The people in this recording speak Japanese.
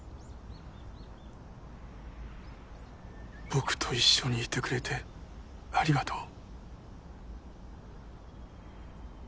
僕と一緒にいてくれてありがとう。